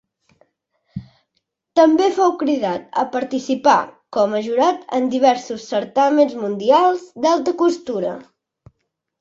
També fou cridat a participar com a jurat en diversos certàmens mundials d'alta costura.